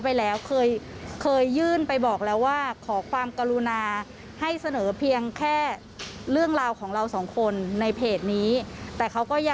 ได้ข่าวว่าพี่อยากคุยกับผมเหรอคะ